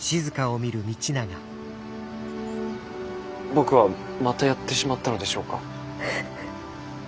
僕はまたやってしまったのでしょうか。